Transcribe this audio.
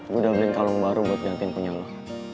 gue udah beliin kalung baru buat gantiin punya lo